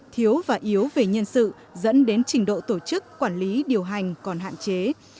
thiếu và yếu về nhân sự dẫn đến trình độ tổ chức quản lý điều hành còn hạn chế